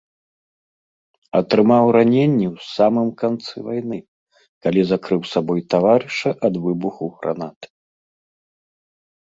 Атрымаў раненні ў самым канцы вайны, калі закрыў сабой таварыша ад выбуху гранаты.